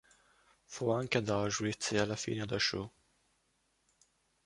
Fu anche ad Auschwitz e alla fine a Dachau.